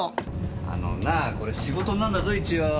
あのなぁこれ仕事なんだぞ一応。